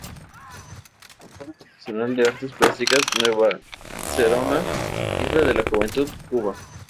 Escuela Profesional de Artes Plásticas, Nueva Gerona, Isla de la Juventud, Cuba.